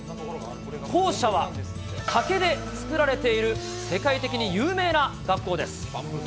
校舎は竹で作られている、世界的に有名な学校です。